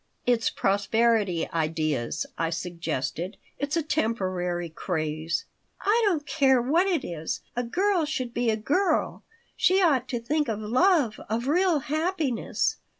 "It's prosperity ideas," I suggested. "It's a temporary craze." "I don't care what it is. A girl should be a girl. She ought to think of love, of real happiness."